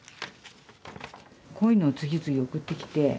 こういうのを次々送ってきて。